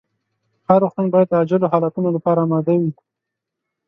هر روغتون باید د عاجلو حالتونو لپاره اماده وي.